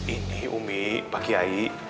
ini umi pak kiai